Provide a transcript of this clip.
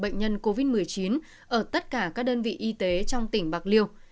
bệnh nhân covid một mươi chín ở tất cả các đơn vị y tế trong tỉnh bạc liêu